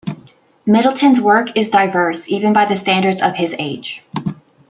Middleton's work is diverse even by the standards of his age.